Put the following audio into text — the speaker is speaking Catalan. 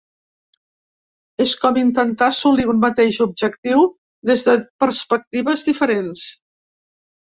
És com intentar assolir un mateix objectiu des de perspectives diferents.